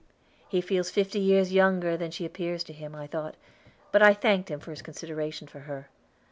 "He feels fifty years younger than she appears to him," I thought; but I thanked him for his consideration for her.